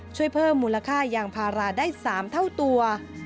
ช่วยเพิ่มมูลค่ายางพาราได้๓เท่าตัว